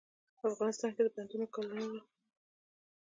افغانستان کې د بندونو، کانالونو.